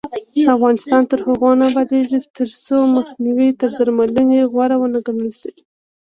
افغانستان تر هغو نه ابادیږي، ترڅو مخنیوی تر درملنې غوره ونه ګڼل شي.